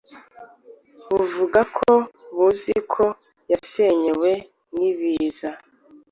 buvuga ko buzi ko yasenyewe n’ibiza